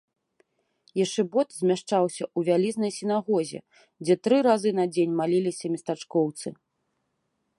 Ешыбот змяшчаўся ў вялізнай сінагозе, дзе тры разы на дзень маліліся местачкоўцы.